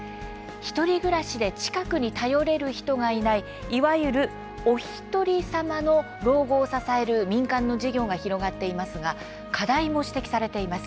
１人暮らしで近くに頼れる人がいないいわゆる「おひとりさま」の老後を支える民間の事業が広がっていますが課題も指摘されています。